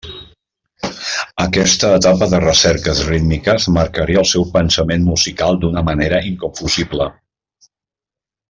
Aquesta etapa de recerques rítmiques marcaria el seu pensament musical d'una manera inconfusible.